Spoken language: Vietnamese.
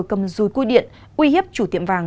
cầm dùi cuối điện uy hiếp chủ tiệm vàng